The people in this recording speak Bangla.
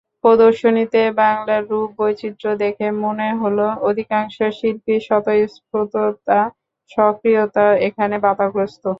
প্রদর্শনীতে বাংলার রূপ-বৈচিত্র্য দেখে মনে হলো, অধিকাংশ শিল্পীর স্বতঃস্ফূর্ততা-স্বকীয়তা এখানে বাধাগ্রস্ত।